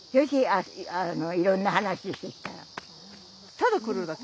ただ来るだけ？